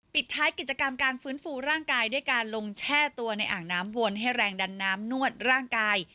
ปิดท้ายกิจกรรมการฟื้นฟูร่างกายด้วยการลงแช่ตัวในอ่างน้ำวนให้แรงดันน้ำนวดร่างกาย